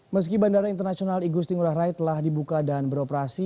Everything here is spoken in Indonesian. meski bandara internasional igusti ngurah rai telah dibuka dan beroperasi